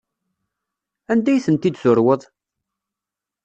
Anda ay tent-id-turweḍ?